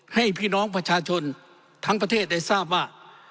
ให้พี่น้องประชาชนทั้งประเทศได้ทราบว่า